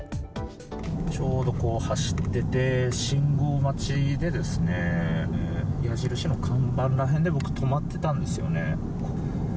ちょうど走ってて、信号待ちで、矢印の看板らへんで僕、止まってたんですよね。